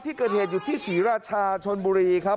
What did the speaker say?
ที่เกิดเหตุอยู่ที่ศรีราชาชนบุรีครับ